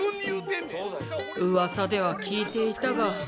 うわさでは聞いていたが。